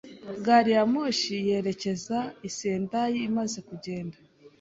Gari ya moshi yerekeza i Sendai imaze kugenda.